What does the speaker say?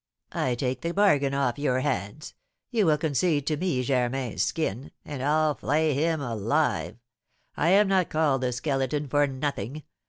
"I take the bargain off your hands; you will concede to me Germain's skin, and I'll flay him alive. I am not called the Skeleton for nothing.